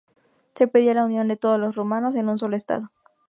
Se pedía la unión de todos los rumanos en un sólo Estado.